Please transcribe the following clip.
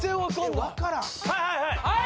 はいはいはいはい！